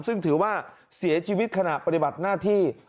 ซึ่งถือว่าเสียชีวิตขณะปฏิบัติหน้าที่